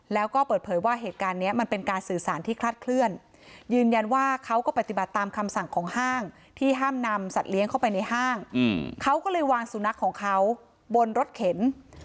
แล้วก็เปิดเผยว่าเหตุการณ์นี้มันเป็นการสื่อสารที่คลัดขึ้น